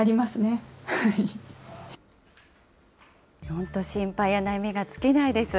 本当心配や悩みが尽きないです。